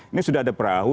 ini sudah ada perahu